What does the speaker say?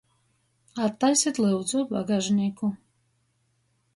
Attaisit, lyudzu, bagažnīku!